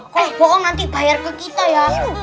kalau bohong nanti bayar ke kita ya